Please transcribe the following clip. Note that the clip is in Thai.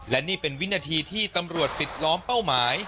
และนี่เป็นวินาทีที่ตำรวจปิดล้อมเป้าหมาย